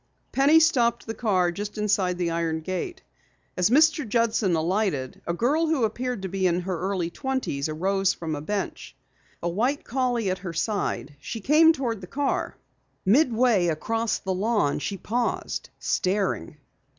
Penny stopped the car just inside the iron gate. As Mr. Judson alighted, a girl who appeared to be in her early twenties, arose from a bench. A white collie at her side, she came toward the car. Midway across the lawn, she paused, staring.